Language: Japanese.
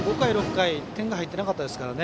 ５回、６回と点が入っていなかったので。